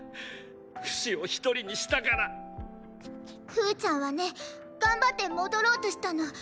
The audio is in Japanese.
ふーちゃんはねがんばってもどろうとしたの。